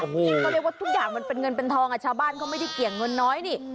เขาเรียกว่าทุกอย่างมันเป็นเงินเป็นทองชาวบ้านเขาไม่ได้เกี่ยงเงินน้อยนี่